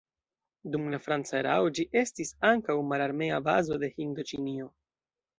Dum la franca erao ĝi estis ankaŭ mararmea bazo de Hindoĉinio.